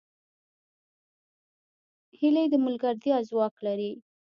هیلۍ د ملګرتیا ځواک لري